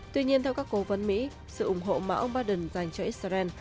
tuy nhiên theo các cố vấn mỹ sự ủng hộ mà ông biden dành cho israel